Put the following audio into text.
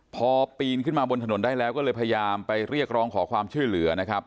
พอปีนขึ้นมาบนถนนได้แล้วก็เลยพยายามไปเรียกร้องขอความช่วยเหลือนะครับ